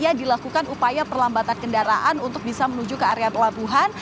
dan juga dilakukan upaya perlambatan kendaraan untuk bisa menuju ke area pelabuhan